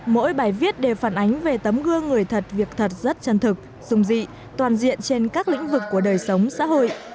mỗi bài viết đều phản ánh về tấm gương người thật việc thật rất chân thực dung dị toàn diện trên các lĩnh vực của đời sống xã hội